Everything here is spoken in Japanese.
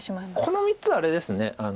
この３つはあれです。